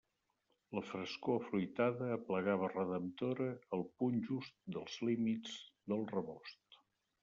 La frescor afruitada aplegava redemptora al punt just dels límits del rebost.